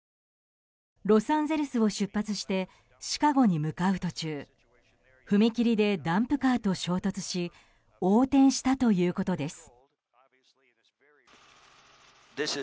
ロサンゼルスを出発してシカゴに向かう途中踏切でダンプカーと衝突し横転したということです。